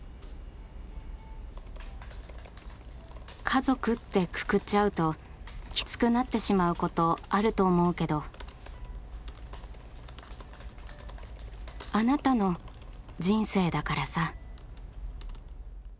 「家族ってくくっちゃうとキツくなってしまうことあると思うけどあなたの人生だからさ」。